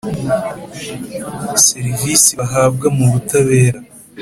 serivisi bahabwa mu butabera